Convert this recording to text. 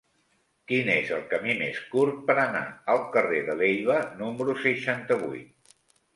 Quin és el camí més curt per anar al carrer de Leiva número seixanta-vuit?